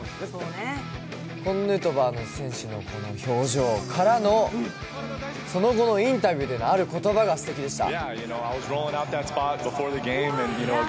このヌートバー選手の表情、からの、その後のインタビューでの、ある言葉がすてきでした。